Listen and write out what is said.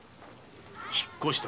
引っ越した。